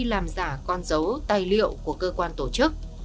làm giả con dấu tài liệu của cơ quan tổ chức